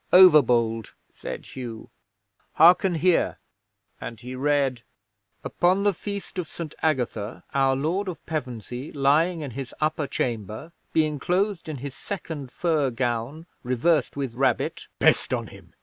'"Overbold," said Hugh. "Hearken here," and he read: "Upon the Feast of St Agatha, our Lord of Pevensey, lying in his upper chamber, being clothed in his second fur gown reversed with rabbit " '"Pest on him!